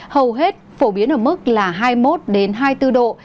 hầu hết phổ biến ở mức là hai mươi một hai mươi bốn độ